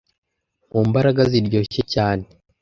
mu mbaraga ziryoshye cyane